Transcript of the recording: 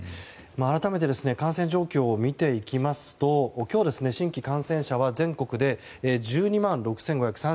改めて感染状況を見ていきますと今日、新規感染者は全国で１２万６５３８人。